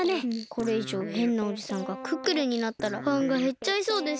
これいじょうへんなおじさんがクックルンになったらファンがへっちゃいそうです。